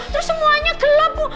terus semuanya gelap bu